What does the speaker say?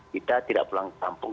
kita tidak pulang ke kampung